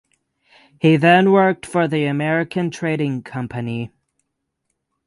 He then worked for the American Trading Company.